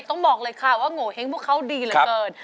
ต้องบอกเลยค่ะว่าโงเห้งพวกเขาดีเหลือเกิน